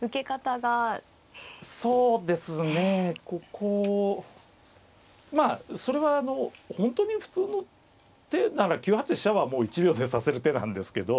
ここまあそれは本当に普通の手なら９八飛車はもう１秒で指せる手なんですけど。